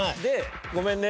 ごめんね。